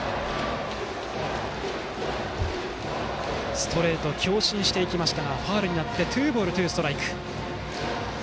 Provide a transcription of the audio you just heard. ストレートを強振していきましたがファウルになってツーボールツーストライク。